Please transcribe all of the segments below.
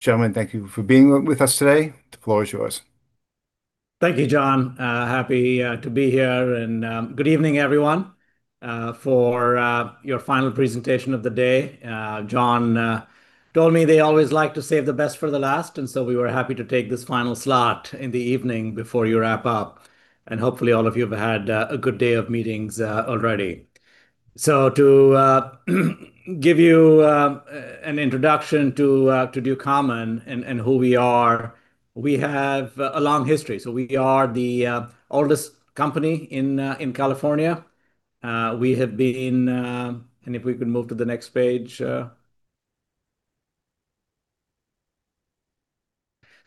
Gentlemen, thank you for being with us today. The floor is yours. Thank you, John. Happy to be here and good evening, everyone, for your final presentation of the day. John told me they always like to save the best for the last, and so we were happy to take this final slot in the evening before you wrap up. Hopefully all of you have had a good day of meetings already. To give you an introduction to Ducommun and who we are, we have a long history. We are the oldest company in California. If we can move to the next page.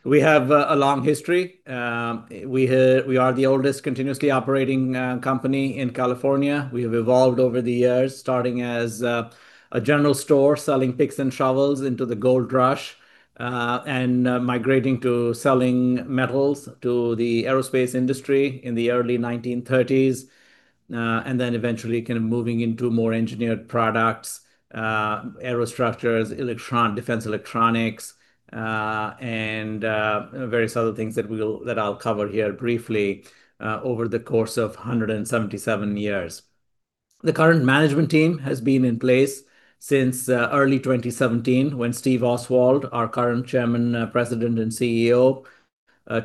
We have a long history. We are the oldest continuously operating company in California. We have evolved over the years, starting as a general store selling picks and shovels into the gold rush, and migrating to selling metals to the aerospace industry in the early 1930s. Eventually kind of moving into more engineered products, aerostructures, defense electronics, and various other things that I'll cover here briefly, over the course of 177 years. The current management team has been in place since early 2017 when Steve Oswald, our current Chairman, President, and CEO,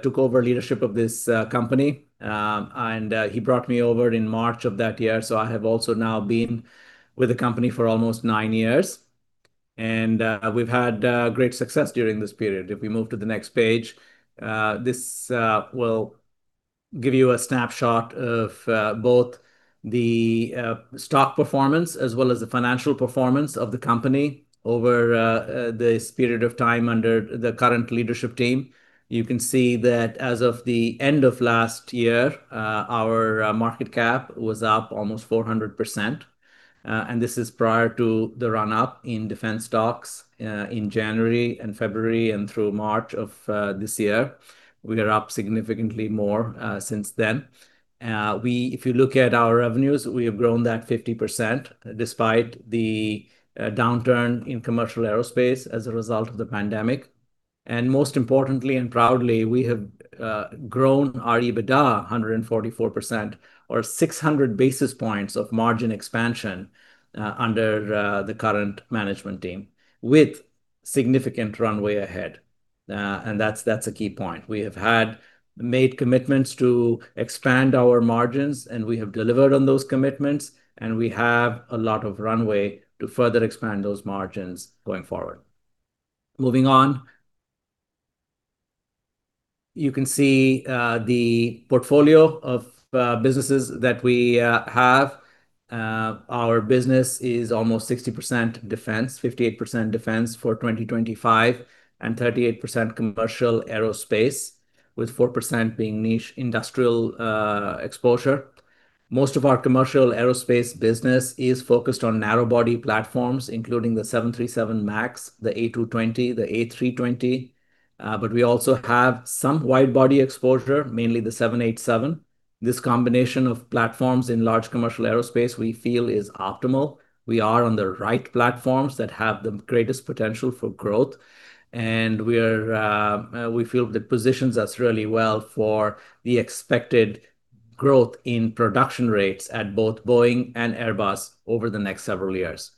took over leadership of this company. He brought me over in March of that year, so I have also now been with the company for almost 9 years. We've had great success during this period. If we move to the next page, this will give you a snapshot of both the stock performance as well as the financial performance of the company over this period of time under the current leadership team. You can see that as of the end of last year, our market cap was up almost 400%. This is prior to the run-up in defense stocks in January and February and through March of this year. We are up significantly more since then. If you look at our revenues, we have grown that 50% despite the downturn in commercial aerospace as a result of the pandemic. Most importantly and proudly, we have grown our EBITDA 144% or 600 basis points of margin expansion under the current management team with significant runway ahead. That's a key point. We have had made commitments to expand our margins, and we have delivered on those commitments, and we have a lot of runway to further expand those margins going forward. Moving on. You can see the portfolio of businesses that we have. Our business is almost 60% defense, 58% defense for 2025, and 38% commercial aerospace, with 4% being niche industrial exposure. Most of our commercial aerospace business is focused on narrow body platforms, including the 737 MAX, the A220, the A320. We also have some wide-body exposure, mainly the 787. This combination of platforms in large commercial aerospace we feel is optimal. We are on the right platforms that have the greatest potential for growth, and we're, we feel it positions us really well for the expected growth in production rates at both Boeing and Airbus over the next several years.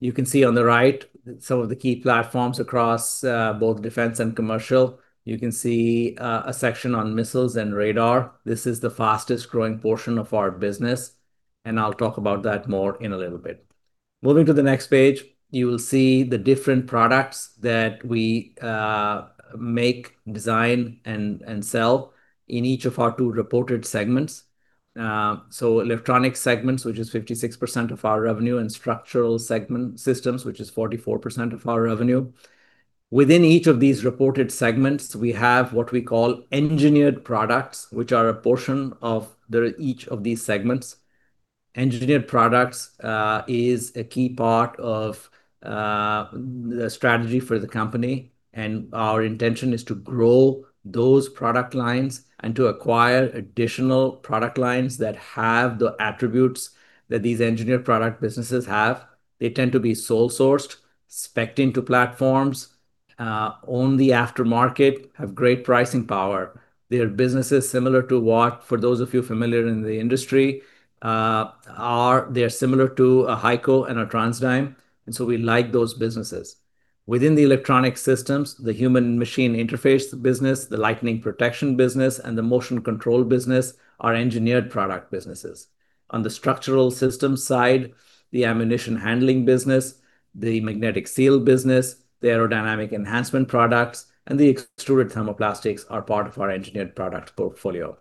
You can see on the right some of the key platforms across, both defense and commercial. You can see, a section on missiles and radar. This is the fastest-growing portion of our business, and I'll talk about that more in a little bit. Moving to the next page, you will see the different products that we, make, design, and sell in each of our two reported segments. Electronic Systems, which is 56% of our revenue, and Structural Systems, which is 44% of our revenue. Within each of these reported segments, we have what we call Engineered Products, which are a portion of each of these segments. Engineered Products is a key part of the strategy for the company, and our intention is to grow those product lines and to acquire additional product lines that have the attributes that these Engineered Products businesses have. They tend to be sole sourced, spec-ed into platforms, own the aftermarket, have great pricing power. Their business is similar to what, for those of you familiar in the industry, they are similar to a HEICO and a TransDigm, and so we like those businesses. Within the Electronic Systems, the Human Machine Interface business, the Lightning Protection business, and the Motion Control business are Engineered Products businesses. On the Structural Systems side, the Ammunition Handling business, the Magnetic Seals business, the aerodynamic enhancement products, and the extruded thermoplastics are part of our Engineered Products portfolio.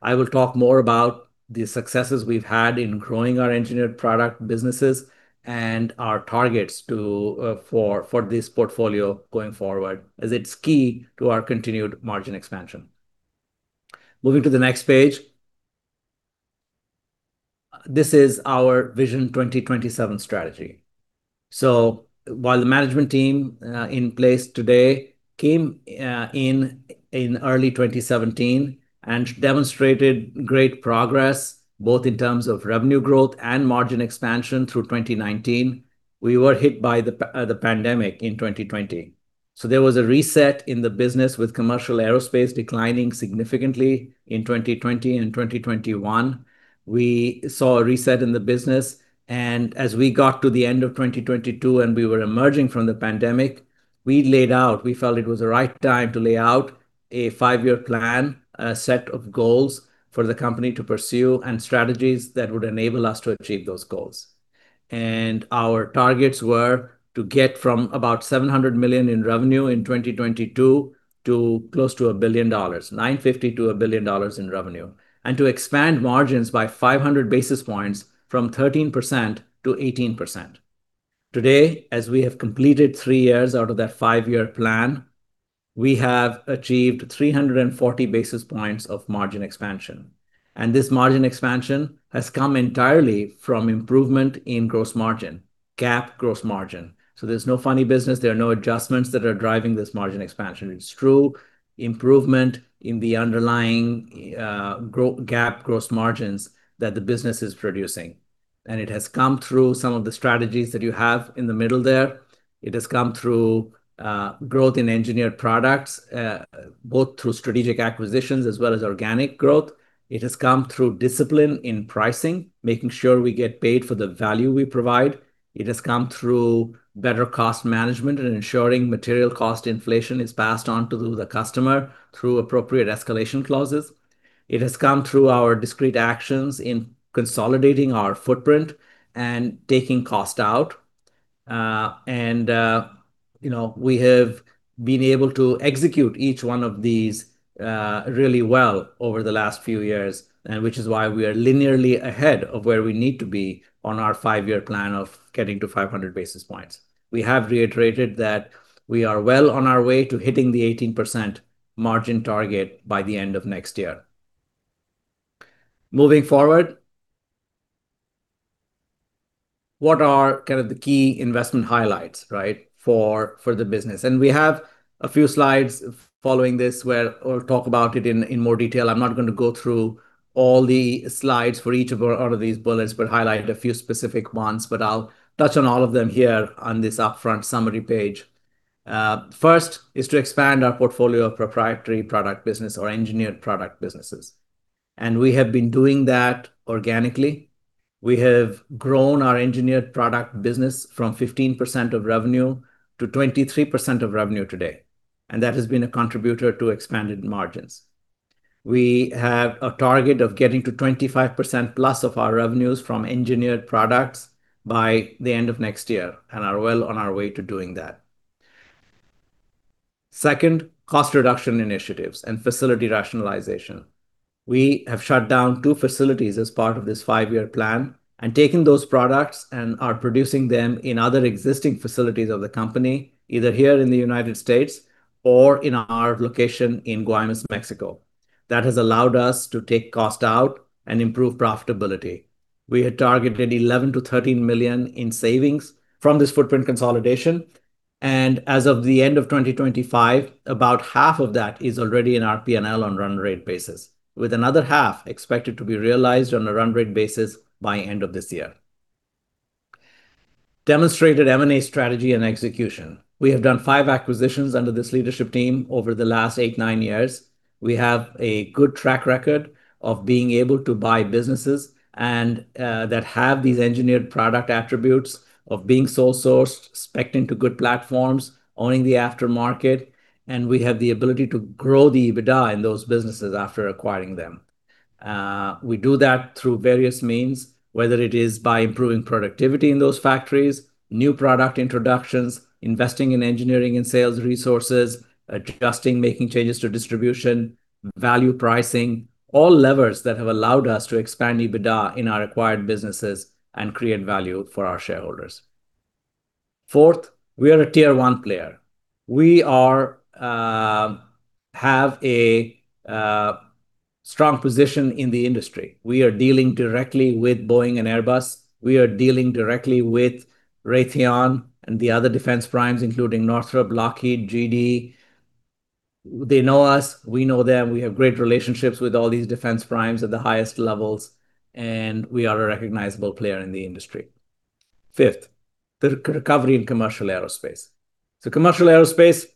I will talk more about the successes we've had in growing our Engineered Products businesses and our targets for this portfolio going forward, as it's key to our continued margin expansion. Moving to the next page. This is our Vision 2027 strategy. While the management team in place today came in early 2017 and demonstrated great progress both in terms of revenue growth and margin expansion through 2019. We were hit by the pandemic in 2020. There was a reset in the business with commercial aerospace declining significantly in 2020 and 2021. We saw a reset in the business, and as we got to the end of 2022 and we were emerging from the pandemic, we felt it was the right time to lay out a five-year plan, a set of goals for the company to pursue and strategies that would enable us to achieve those goals. Our targets were to get from about $700 million in revenue in 2022 to close to $1 billion, $950 million-$1 billion in revenue, and to expand margins by 500 basis points from 13% to 18%. Today, as we have completed three years out of that five-year plan, we have achieved 340 basis points of margin expansion, and this margin expansion has come entirely from improvement in gross margin, GAAP gross margin. There's no funny business. There are no adjustments that are driving this margin expansion. It's true improvement in the underlying GAAP gross margins that the business is producing. It has come through some of the strategies that you have in the middle there. It has come through growth in Engineered Products, both through strategic acquisitions as well as organic growth. It has come through discipline in pricing, making sure we get paid for the value we provide. It has come through better cost management and ensuring material cost inflation is passed on to the customer through appropriate escalation clauses. It has come through our discrete actions in consolidating our footprint and taking cost out. You know, we have been able to execute each one of these really well over the last few years, and which is why we are linearly ahead of where we need to be on our five-year plan of getting to 500 basis points. We have reiterated that we are well on our way to hitting the 18% margin target by the end of next year. Moving forward, what are kind of the key investment highlights, right, for the business? We have a few slides following this where we'll talk about it in more detail. I'm not gonna go through all the slides for each out of these bullets but highlight a few specific ones. I'll touch on all of them here on this upfront summary page. First is to expand our portfolio of proprietary product business or Engineered Products businesses, and we have been doing that organically. We have grown our Engineered Products business from 15% of revenue to 23% of revenue today, and that has been a contributor to expanded margins. We have a target of getting to 25% plus of our revenues from Engineered Products by the end of next year and are well on our way to doing that. Second, cost reduction initiatives and facility rationalization. We have shut down two facilities as part of this five-year plan and taken those products and are producing them in other existing facilities of the company, either here in the United States or in our location in Guaymas, Mexico. That has allowed us to take cost out and improve profitability. We had targeted $11 million-$13 million in savings from this footprint consolidation, and as of the end of 2025, about half of that is already in our P&L on run rate basis, with another half expected to be realized on a run rate basis by end of this year. Demonstrated M&A strategy and execution. We have done five acquisitions under this leadership team over the last eight-nine years. We have a good track record of being able to buy businesses and that have these engineered product attributes of being sole sourced, spec'd into good platforms, owning the aftermarket, and we have the ability to grow the EBITDA in those businesses after acquiring them. We do that through various means, whether it is by improving productivity in those factories, new product introductions, investing in engineering and sales resources, adjusting, making changes to distribution, value pricing, all levers that have allowed us to expand EBITDA in our acquired businesses and create value for our shareholders. Fourth, we are a tier one player. We have a strong position in the industry. We are dealing directly with Boeing and Airbus. We are dealing directly with Raytheon and the other defense primes, including Northrop, Lockheed, GD. They know us. We know them. We have great relationships with all these defense primes at the highest levels, and we are a recognizable player in the industry. Fifth, the recovery in commercial aerospace. Commercial aerospace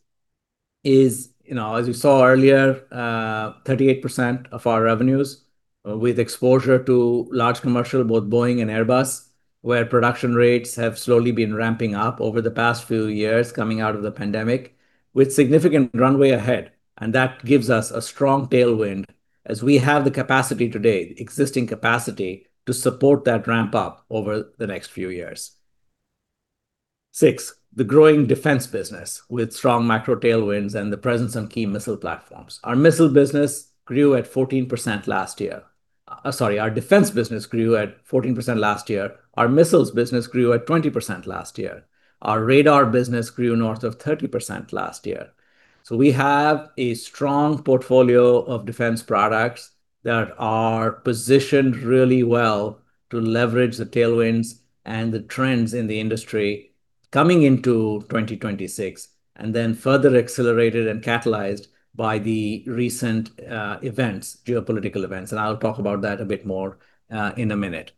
is, you know, as you saw earlier, 38% of our revenues, with exposure to large commercial, both Boeing and Airbus, where production rates have slowly been ramping up over the past few years coming out of the pandemic with significant runway ahead. That gives us a strong tailwind as we have the capacity today, existing capacity, to support that ramp up over the next few years. Six, the growing defense business with strong macro tailwinds and the presence on key missile platforms. Our missile business grew at 14% last year. Our defense business grew at 14% last year. Our missiles business grew at 20% last year. Our radar business grew north of 30% last year. We have a strong portfolio of defense products that are positioned really well to leverage the tailwinds and the trends in the industry coming into 2026 and then further accelerated and catalyzed by the recent events, geopolitical events, and I'll talk about that a bit more in a minute.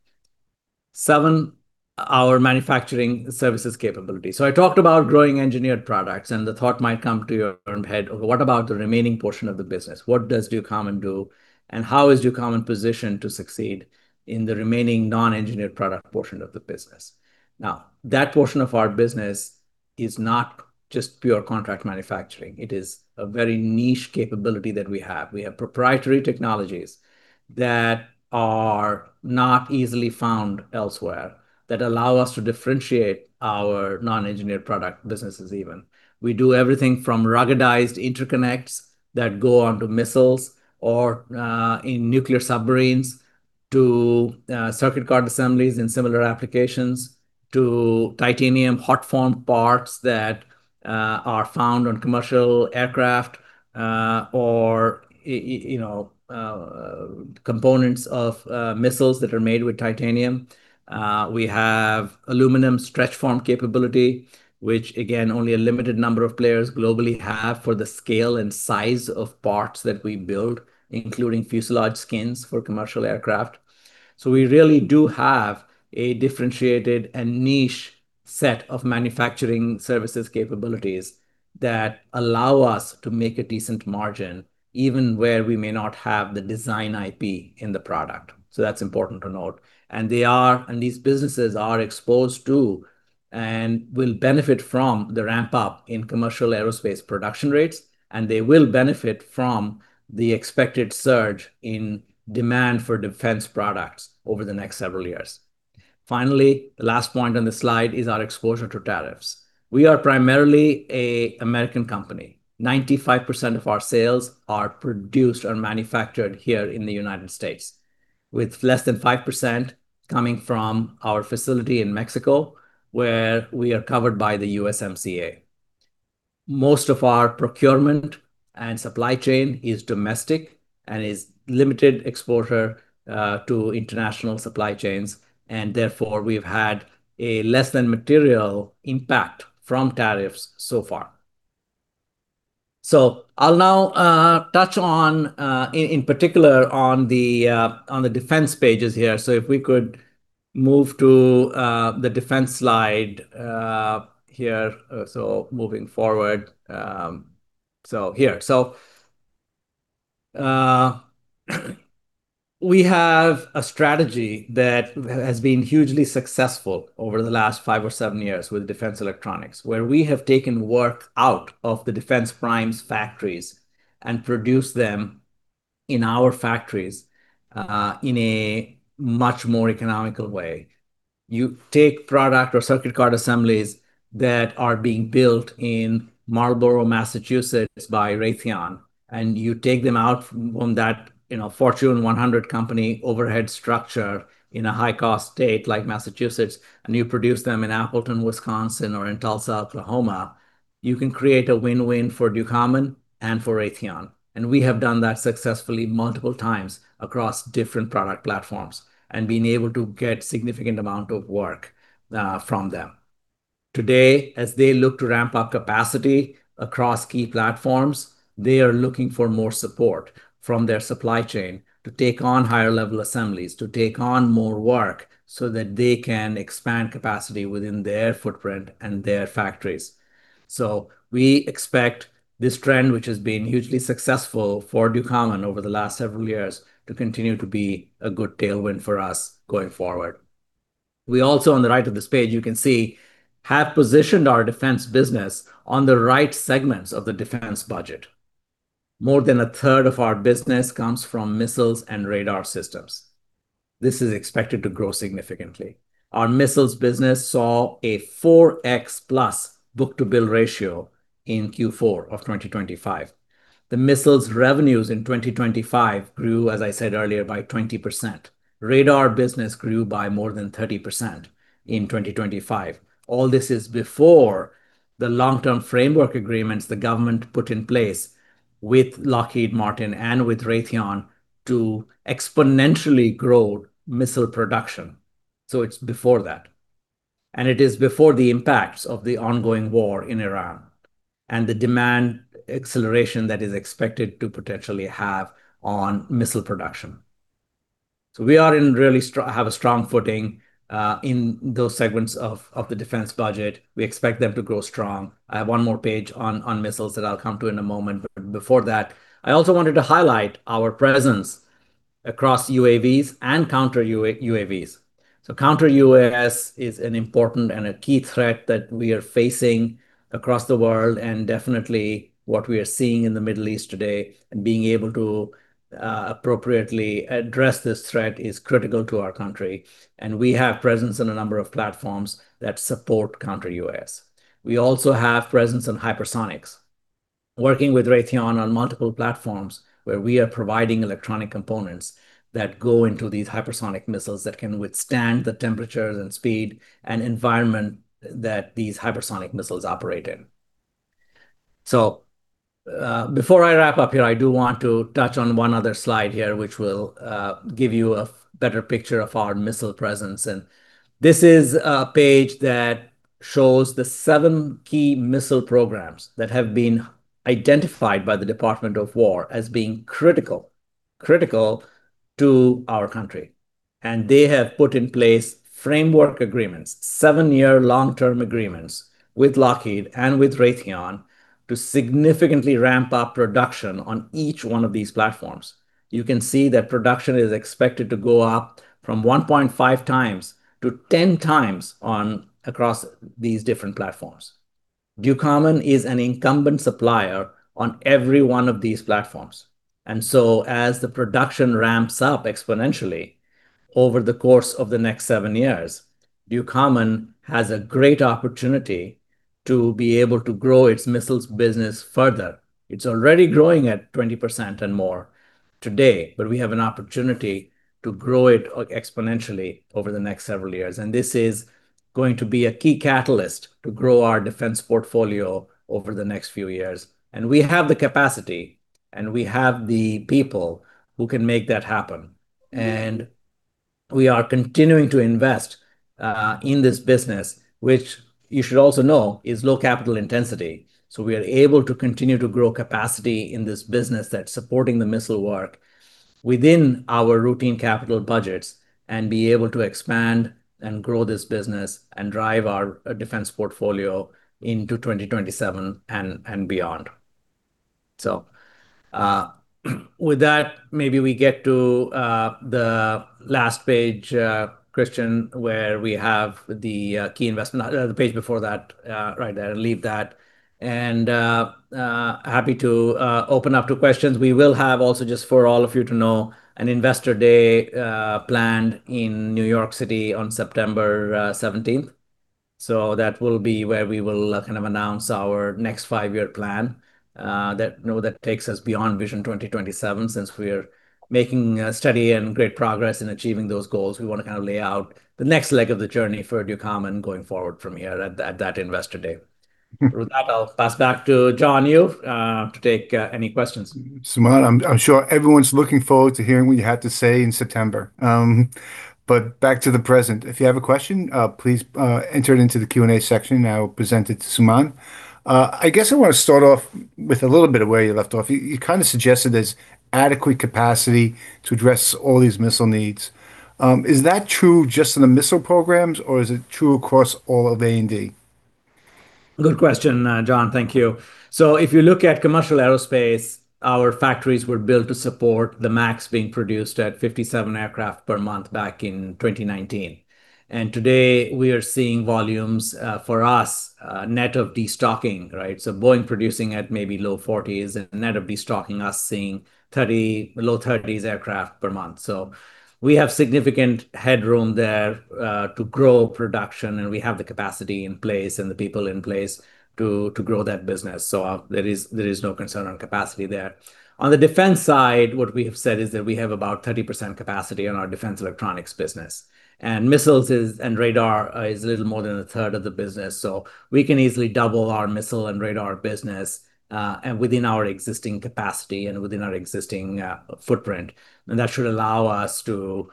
Seven, our manufacturing services capability. I talked about growing Engineered Products, and the thought might come to your head, what about the remaining portion of the business? What does Ducommun do, and how is Ducommun positioned to succeed in the remaining non-Engineered Products portion of the business? Now, that portion of our business is not just pure contract manufacturing. It is a very niche capability that we have. We have proprietary technologies that are not easily found elsewhere that allow us to differentiate our non-Engineered Products businesses even. We do everything from ruggedized interconnects that go onto missiles or in nuclear submarines to circuit card assemblies in similar applications to titanium hot forming parts that are found on commercial aircraft or you know components of missiles that are made with titanium. We have aluminum stretch forming capability, which again, only a limited number of players globally have for the scale and size of parts that we build, including fuselage skins for commercial aircraft. We really do have a differentiated and niche set of manufacturing services capabilities that allow us to make a decent margin even where we may not have the design IP in the product. That's important to note. These businesses are exposed to and will benefit from the ramp up in commercial aerospace production rates, and they will benefit from the expected surge in demand for defense products over the next several years. Finally, the last point on the slide is our exposure to tariffs. We are primarily an American company. 95% of our sales are produced or manufactured here in the United States, with less than 5% coming from our facility in Mexico, where we are covered by the USMCA. Most of our procurement and supply chain is domestic and has limited exposure to international supply chains, and therefore we've had a less than material impact from tariffs so far. I'll now touch on, in particular, the defense pages here. If we could move to the defense slide here. Moving forward, we have a strategy that has been hugely successful over the last five or seven years with defense electronics, where we have taken work out of the defense primes factories and produced them in our factories in a much more economical way. You take product or circuit card assemblies that are being built in Marlborough, Massachusetts by Raytheon, and you take them out from on that, you know, Fortune 100 company overhead structure in a high-cost state like Massachusetts, and you produce them in Appleton, Wisconsin or in Tulsa, Oklahoma, you can create a win-win for Ducommun and for Raytheon. We have done that successfully multiple times across different product platforms and been able to get significant amount of work from them. Today, as they look to ramp up capacity across key platforms, they are looking for more support from their supply chain to take on higher level assemblies, to take on more work so that they can expand capacity within their footprint and their factories. We expect this trend, which has been hugely successful for Ducommun over the last several years, to continue to be a good tailwind for us going forward. We also, on the right of this page you can see, have positioned our defense business on the right segments of the defense budget. More than a third of our business comes from missiles and radar systems. This is expected to grow significantly. Our missiles business saw a 4x plus book-to-bill ratio in Q4 of 2025. The missiles revenues in 2025 grew, as I said earlier, by 20%. Radar business grew by more than 30% in 2025. All this is before the long-term framework agreements the government put in place with Lockheed Martin and with Raytheon to exponentially grow missile production. It's before that. It is before the impacts of the ongoing war in Ukraine and the demand acceleration that is expected to potentially have on missile production. We are in really have a strong footing in those segments of the defense budget. We expect them to grow strong. I have one more page on missiles that I'll come to in a moment. Before that, I also wanted to highlight our presence across UAVs and counter-UAVs. Counter-UAS is an important and a key threat that we are facing across the world, and definitely what we are seeing in the Middle East today, and being able to appropriately address this threat is critical to our country. We have presence in a number of platforms that support Counter-UAS. We also have presence in hypersonics, working with Raytheon on multiple platforms where we are providing electronic components that go into these hypersonic missiles that can withstand the temperatures and speed and environment that these hypersonic missiles operate in. Before I wrap up here, I do want to touch on one other slide here, which will give you a better picture of our missile presence. This is a page that shows the seven key missile programs that have been identified by the Department of Defense as being critical to our country. They have put in place framework agreements, seven-year long-term agreements with Lockheed and with Raytheon to significantly ramp up production on each one of these platforms. You can see that production is expected to go up from 1.5x to 10x across these different platforms. Ducommun is an incumbent supplier on every one of these platforms. As the production ramps up exponentially over the course of the next seven years, Ducommun has a great opportunity to be able to grow its missiles business further. It's already growing at 20% and more today, but we have an opportunity to grow it exponentially over the next several years. This is going to be a key catalyst to grow our defense portfolio over the next few years. We have the capacity, and we have the people who can make that happen. We are continuing to invest in this business, which you should also know is low capital intensity. We are able to continue to grow capacity in this business that's supporting the missile work within our routine capital budgets and be able to expand and grow this business and drive our defense portfolio into 2027 and beyond. With that, maybe we get to the last page, Christian, where we have the key investment, the page before that. Right there. Leave that. Happy to open up to questions. We will have also, just for all of you to know, an Investor Day planned in New York City on September Seventeenth. That will be where we will kind of announce our next five-year plan, that you know that takes us beyond Vision 2027. Since we are making steady and great progress in achieving those goals, we wanna kind of lay out the next leg of the journey for Ducommun going forward from here at that Investor Day. Mm. With that, I'll pass back to John Yu to take any questions. Suman, I'm sure everyone's looking forward to hearing what you have to say in September. Back to the present. If you have a question, please enter it into the Q&A section and I will present it to Suman. I guess I wanna start off with a little bit of where you left off. You kinda suggested there's adequate capacity to address all these missile needs. Is that true just in the missile programs, or is it true across all of A&D? Good question, John. Thank you. If you look at commercial aerospace, our factories were built to support the MAX being produced at 57 aircraft per month back in 2019. Today we are seeing volumes, for us, net of destocking, right? Boeing producing at maybe low 40s and net of destocking us seeing 30, low 30s aircraft per month. We have significant headroom there, to grow production, and we have the capacity in place and the people in place to grow that business. There is no concern on capacity there. On the defense side, what we have said is that we have about 30% capacity on our defense electronics business. and radar is a little more than a third of the business, so we can easily double our missile and radar business within our existing capacity and footprint. That should allow us to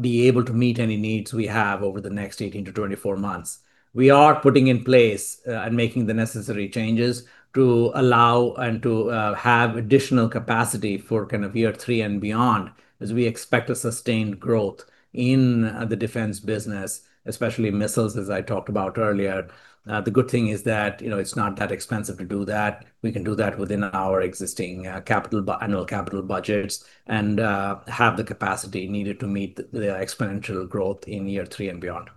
be able to meet any needs we have over the next 18-24 months. We are putting in place and making the necessary changes to allow to have additional capacity for kind of year three and beyond, as we expect a sustained growth in the defense business, especially missiles, as I talked about earlier. The good thing is that, you know, it's not that expensive to do that. We can do that within our existing annual capital budgets and have the capacity needed to meet the exponential growth in year three and beyond.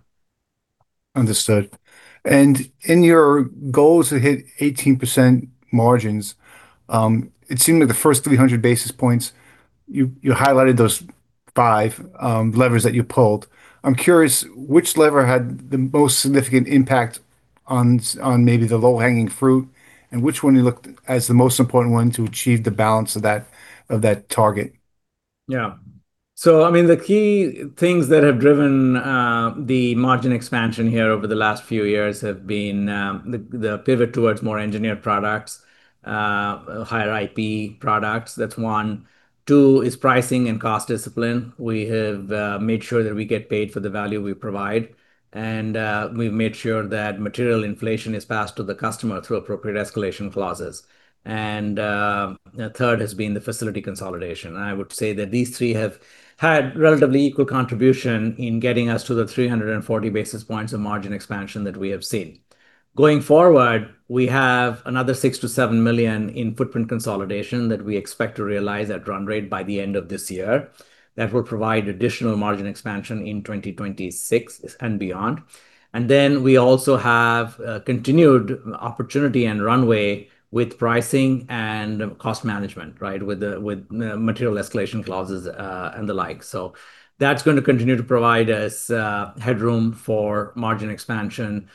Understood. In your goals to hit 18% margins, it seemed that the first 300 basis points, you highlighted those 5 levers that you pulled. I'm curious which lever had the most significant impact on maybe the low-hanging fruit, and which one you looked as the most important one to achieve the balance of that target? Yeah. I mean, the key things that have driven the margin expansion here over the last few years have been the pivot towards more Engineered Products, higher IP products. That's one. Two is pricing and cost discipline. We have made sure that we get paid for the value we provide, and we've made sure that material inflation is passed to the customer through appropriate escalation clauses. The third has been the facility consolidation. I would say that these three have had relatively equal contribution in getting us to the 340 basis points of margin expansion that we have seen. Going forward, we have another $6 million-$7 million in footprint consolidation that we expect to realize at run rate by the end of this year. That will provide additional margin expansion in 2026 and beyond. We also have continued opportunity and runway with pricing and cost management, right? With material escalation clauses and the like. That's gonna continue to provide us headroom for margin expansion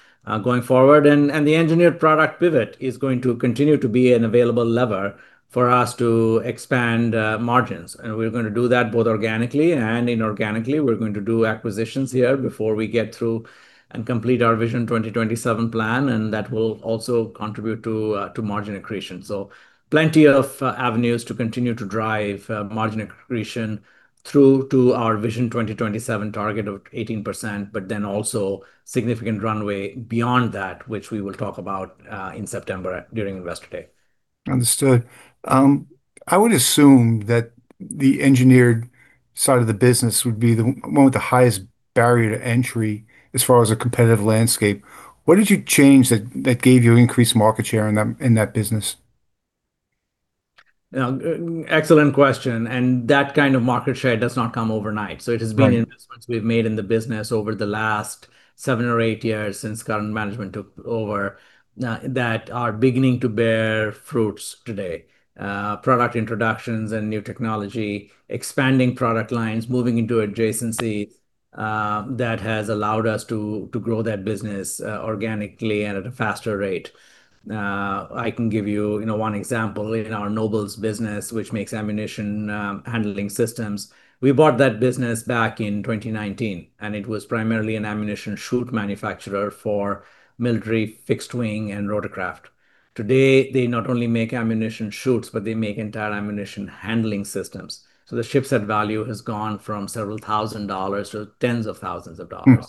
going forward. The engineered product pivot is going to continue to be an available lever for us to expand margins. We're gonna do that both organically and inorganically. We're going to do acquisitions here before we get through and complete our Vision 2027 plan, and that will also contribute to margin accretion. Plenty of avenues to continue to drive margin accretion through to our Vision 2027 target of 18%, but then also significant runway beyond that, which we will talk about in September during Investor Day. Understood. I would assume that the engineered side of the business would be the one with the highest barrier to entry as far as the competitive landscape. What did you change that gave you increased market share in that business? Excellent question, that kind of market share does not come overnight. Right. It has been investments we've made in the business over the last seven or eight years since current management took over that are beginning to bear fruits today. Product introductions and new technology, expanding product lines, moving into adjacencies that has allowed us to grow that business organically and at a faster rate. I can give you know, one example. In our Nobles business, which makes ammunition handling systems, we bought that business back in 2019, and it was primarily an ammunition chute manufacturer for military fixed wing and rotorcraft. Today, they not only make ammunition chutes, but they make entire ammunition handling systems, so the ship set value has gone from $several thousand to $tens of thousands. Hmm.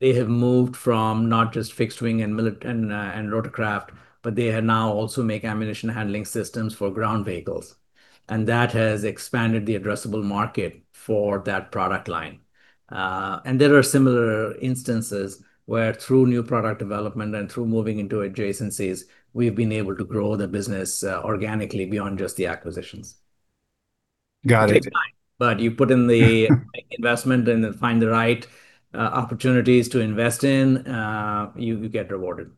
They have moved from not just fixed wing and rotorcraft, but they now also make ammunition handling systems for ground vehicles, and that has expanded the addressable market for that product line. There are similar instances where, through new product development and through moving into adjacencies, we've been able to grow the business organically beyond just the acquisitions. Got it. It takes time, but you put in the investment and find the right opportunities to invest in, you get rewarded.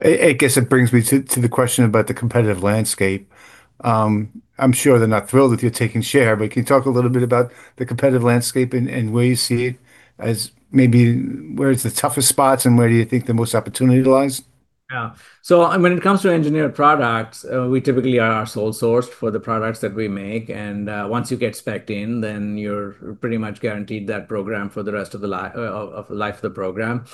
I guess it brings me to the question about the competitive landscape. I'm sure they're not thrilled that you're taking share, but can you talk a little bit about the competitive landscape and where you see it as maybe where is the toughest spots and where you think the most opportunity lies? Yeah. When it comes to Engineered Products, we typically are sole source for the products that we make, and once you get specced in, then you're pretty much guaranteed that program for the rest of the life of the program.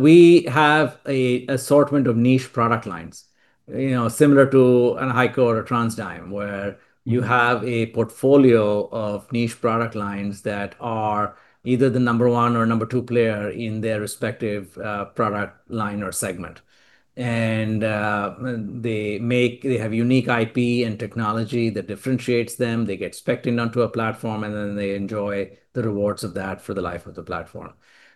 We have an assortment of niche product lines, you know, similar to a HEICO or TransDigm, where you have a portfolio of niche product lines that are either the number one or number two player in their respective product line or segment. They have unique IP and technology that differentiates them, they get specced in onto a platform, and then they enjoy the rewards of that for the life of the platform.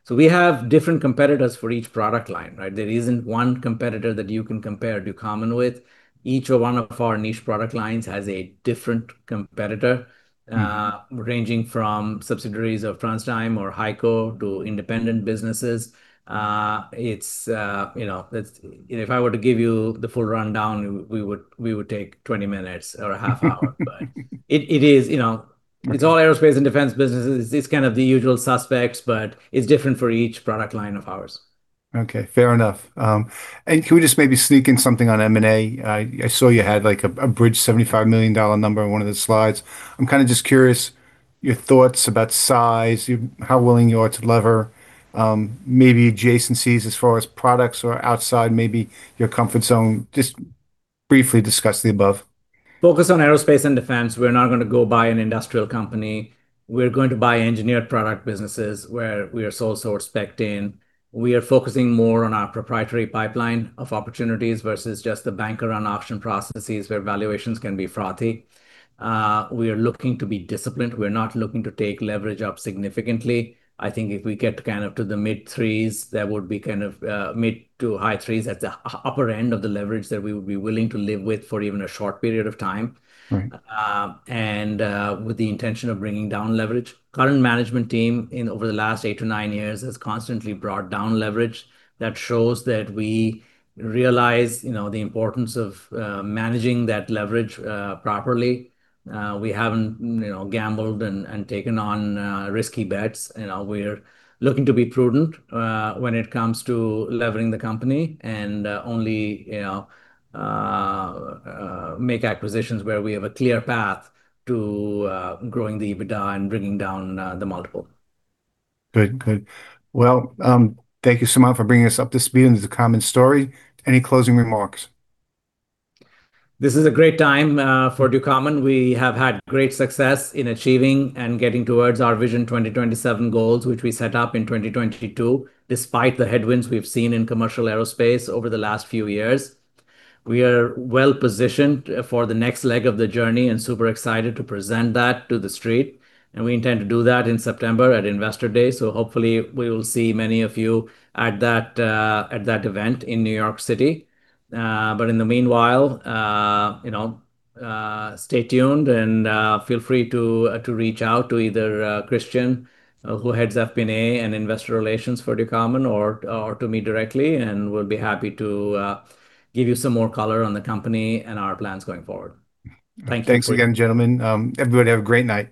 We have different competitors for each product line, right? There isn't one competitor that you can compare Ducommun with. Each one of our niche product lines has a different competitor. Mm-hmm Ranging from subsidiaries of TransDigm or HEICO to independent businesses. It's, you know, it's. You know, if I were to give you the full rundown, we would take 20 minutes or a half hour. It is, you know. Right It's all aerospace and defense businesses. It's kind of the usual suspects, but it's different for each product line of ours. Okay, fair enough. Can we just maybe sneak in something on M&A? I saw you had, like, a bridge $75 million number on one of the slides. I'm kinda just curious your thoughts about size, you, how willing you are to leverage, maybe adjacencies as far as products or outside maybe your comfort zone. Just briefly discuss the above. Focus on aerospace and defense. We're not gonna go buy an industrial company. We're going to buy engineered product businesses where we are sole sourced spec'd in. We are focusing more on our proprietary pipeline of opportunities versus just the banker-run auction processes where valuations can be frothy. We are looking to be disciplined. We're not looking to take leverage up significantly. I think if we get kind of to the mid-threes, that would be kind of mid to high threes at the upper end of the leverage that we would be willing to live with for even a short period of time. Right. With the intention of bringing down leverage. Current management team in over the last eight-nine years has constantly brought down leverage. That shows that we realize, you know, the importance of managing that leverage properly. We haven't, you know, gambled and taken on risky bets. You know, we're looking to be prudent when it comes to levering the company and only you know make acquisitions where we have a clear path to growing the EBITDA and bringing down the multiple. Good. Well, thank you, Suman, for bringing us up to speed into the Ducommun story. Any closing remarks? This is a great time for Ducommun. We have had great success in achieving and getting towards our Vision 2027 goals, which we set up in 2022, despite the headwinds we've seen in commercial aerospace over the last few years. We are well-positioned for the next leg of the journey and super excited to present that to the Street, and we intend to do that in September at Investor Day. Hopefully we will see many of you at that event in New York City. In the meanwhile, you know, stay tuned and feel free to reach out to either Christian, who heads up IR for Ducommun, or to me directly, and we'll be happy to give you some more color on the company and our plans going forward. Thank you. Thanks again, gentlemen. Everybody have a great night.